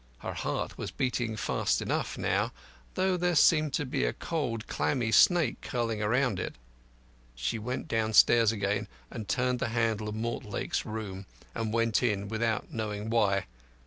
Her heart was beating fast enough now, though there seemed to be a cold, clammy snake curling round it. She went downstairs again and turned the handle of Mortlake's room, and went in without knowing why.